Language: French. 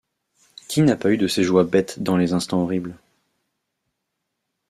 Qui n’a pas eu de ces joies bêtes dans les instants horribles?